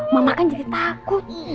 mama kan jadi takut